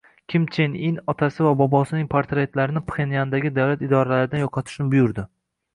Kim Chen In otasi va bobosining portretlarini Pxenyandagi davlat idoralaridan yo‘qotishni buyurdi